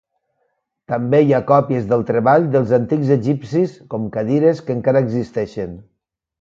També hi ha còpies del treball dels antics egipcis, com cadires, que encara existeixen.